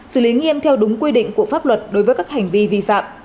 xử lý nghiêm theo đúng quy định của pháp luật đối với các hành vi vi phạm